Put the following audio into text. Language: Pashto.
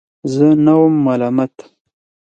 زه نه وم ملامت.